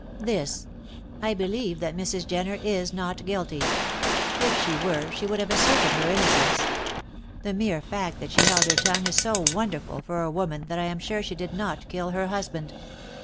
"This. I believe that Mrs. Jenner is not guilty. If she were, she would have asserted her innocence. The mere fact that she held her tongue is so wonderful for a woman that I am sure she did not kill her husband."